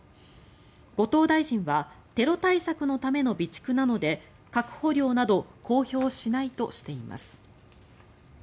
後藤大臣はテロ対策のための備蓄なので確保量など公表しないとしています。